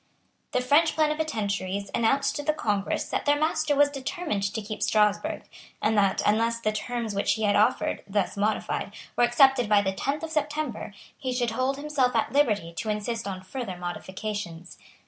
The French plenipotentiaries announced to the Congress that their master was determined to keep Strasburg, and that, unless the terms which he had offered, thus modified, were accepted by the tenth of September, he should hold himself at liberty to insist on further modifications.